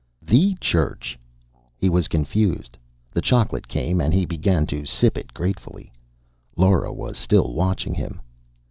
"The Church." He was confused. The chocolate came and he began to sip it gratefully. Lora was still watching him.